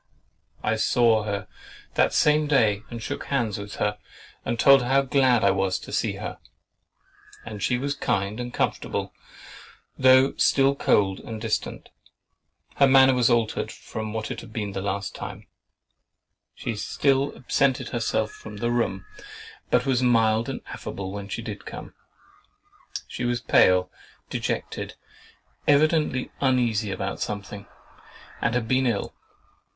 I saw her that same day and shook hands with her, and told her how glad I was to see her; and she was kind and comfortable, though still cold and distant. Her manner was altered from what it was the last time. She still absented herself from the room, but was mild and affable when she did come. She was pale, dejected, evidently uneasy about something, and had been ill.